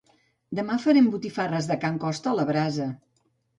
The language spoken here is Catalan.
Demà farem botifarres de can Costa a la brasa